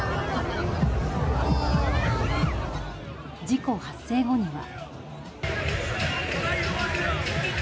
事故発生後には。